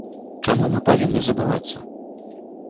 Чаму мы павінны забывацца?